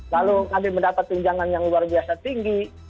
lalu kami mendapat tunjangan yang luar biasa tinggi